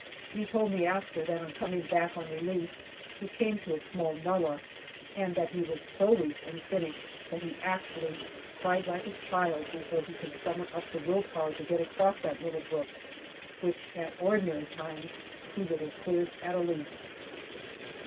He told me after that on coming back on relief he came to a small nullah, and that he was so weak and finished that he actually cried like a child before he could summon up the will power to get across that little brook, which at ordinary times he would have cleared at a leap.